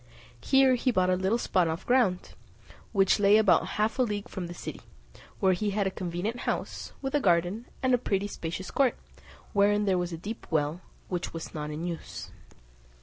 Here he bought a little spot of ground, which lay about half a league from the city; where he had a convenient house, with a garden, and a pretty spacious court, wherein there was a deep well, which was not in use.